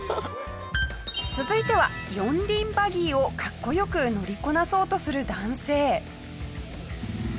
続いては四輪バギーをかっこ良く乗りこなそうとする男性。